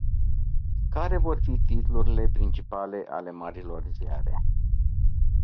Care vor fi titlurile principale ale marilor ziare?